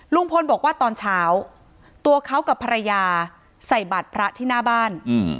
ลุงพลบอกว่าตอนเช้าตัวเขากับภรรยาใส่บัตรพระที่หน้าบ้าน